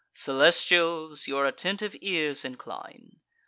"Celestials, your attentive ears incline!